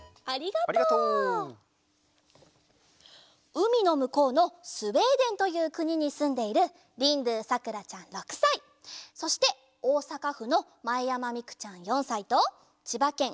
うみのむこうのスウェーデンというくににすんでいるリンドゥさくらちゃん６さいそしておおさかふのまえやまみくちゃん４さいとちばけん